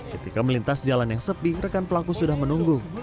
ketika melintas jalan yang sepi rekan pelaku sudah menunggu